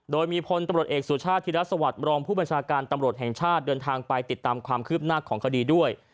โดยมีพลตำรวจเอกสุชาติธิรัฐสวัสดิมรองผู้บัญชาการตำรวจแห่งชาติเดินทางไปติดตามความคืบหน้าของคดีด้วย